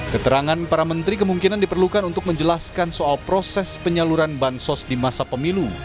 keterangan para menteri kemungkinan diperlukan untuk menjelaskan soal proses penyaluran bansos di masa pemilu